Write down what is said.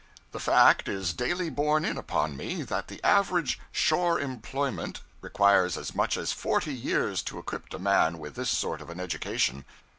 The fact is daily borne in upon me, that the average shore employment requires as much as forty years to equip a man with this sort of an education.